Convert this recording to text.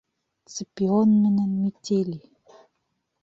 Сципион менән Метелий!